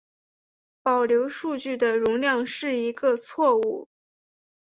保留数据的容量是一个错误。